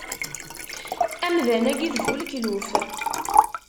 Amdan-agi d bu lekluf.